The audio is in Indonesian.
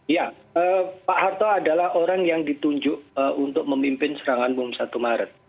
ya pak harto adalah orang yang ditunjuk untuk memimpin serangan bom satu maret